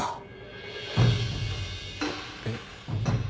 えっ。